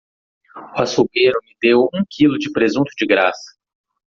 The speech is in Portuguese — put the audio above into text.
O açougueiro me deu um quilo de presunto de graça!